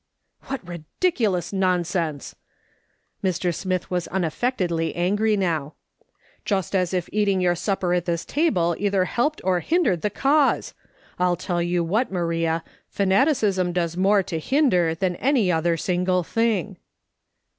" What ridiculous nonsense !" Mr. Smith was un affectedly angry now. " Just as if eating your "PRINCIPLES IS INCONVENIENT THINGS:' 241 supper at this table either lielped or hindered the cause ! I'll tell you what, Maria, fanaticism does more to hinder than any other single thing."